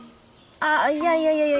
あっいやいやいや。